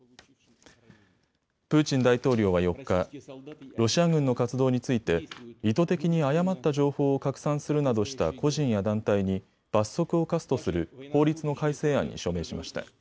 プーチン大統領は４日、ロシア軍の活動について意図的に誤った情報を拡散するなどした個人や団体に罰則を科すとする法律の改正案に署名しました。